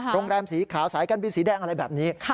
โรงแรมสีขาวสายการบินสีแดงอะไรแบบนี้